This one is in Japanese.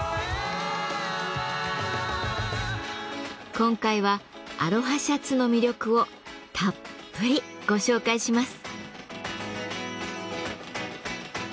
今回はアロハシャツの魅力をたっぷりご紹介します。